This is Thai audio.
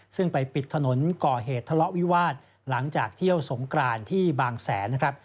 ซึ่งไปปิดถนนก่อเหตุทะเลาะวิวาสหลังจากเที่ยวสงกรานที่บางแสนนะครับ